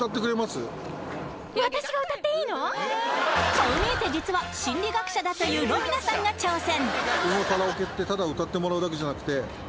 こう見えて実は心理学者だというロミナさんが挑戦